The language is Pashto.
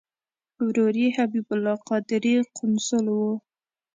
ورور یې حبیب الله قادري قونسل و.